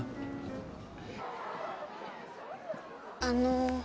あの。